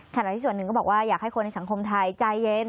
ขณะที่ส่วนหนึ่งก็บอกว่าอยากให้คนในสังคมไทยใจเย็น